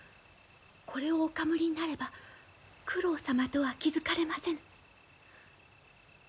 これをおかむりになれば九郎様とは気付かれませぬ。